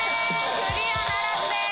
クリアならずです。